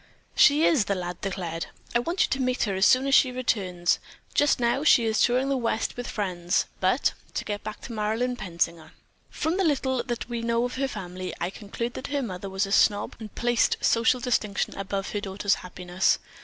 "She is!" the lad declared. "I want you to meet her as soon as she returns. Just now she is touring the West with friends, but, to get back to Marilyn Pensinger. From the little that we know of her family, I conclude that her mother was a snob and placed social distinction above her daughter's happiness.